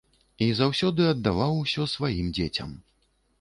Я заўсёды аддаваў усё сваім дзецям.